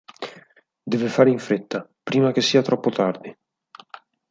Deve fare in fretta, prima che sia troppo tardi".